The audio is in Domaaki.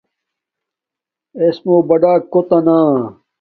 اݵسمݸ بڑݳک کݸتݳ نݳ.